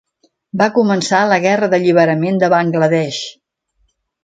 Va començar la Guerra d'Alliberament de Bangla Desh.